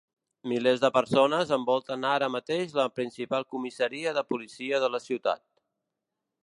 Milers de persones envolten ara mateix la principal comissaria de policia de la ciutat.